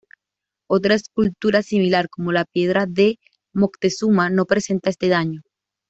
Otra escultura similar como la Piedra de Moctezuma no presentan este daño.